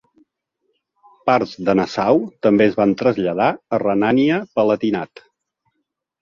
Parts de Nassau també es van traslladar a Renània-Palatinat.